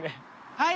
はい！